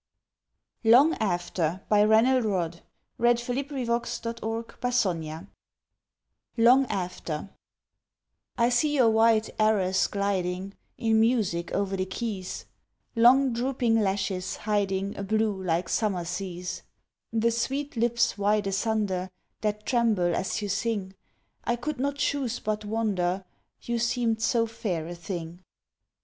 Slain in the darkling hollow lands below. 1881. SONGS LONG AFTER I see your white arras gliding, In music o'er the keys, Long drooping lashes hiding A blue like summer seas: The sweet lips wide asunder, That tremble as you sing, I could not choose but wonder, You seemed so fair a thing.